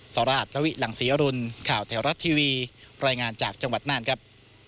สราชนวิหลังศรีอรุณข่าวแถวรัฐทีวีรายงานจากจังหวัดน่านครับ